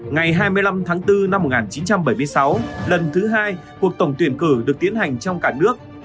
ngày hai mươi năm tháng bốn năm một nghìn chín trăm bảy mươi sáu lần thứ hai cuộc tổng tuyển cử được tiến hành trong cả nước